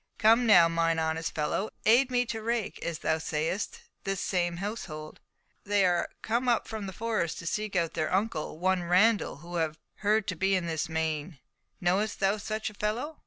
Come now, mine honest fellow, aid me to rake, as thou sayest, this same household. They are come up from the Forest, to seek out their uncle, one Randall, who they have heard to be in this meiné. Knowest thou such a fellow?"